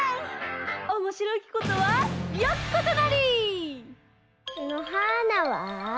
「おもしろきことはよきことなり」！のはーなは？